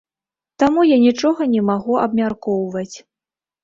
Таму я нічога не магу абмяркоўваць.